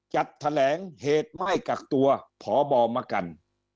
จัดแถลงเหตุไม่กักตัวพบมกัน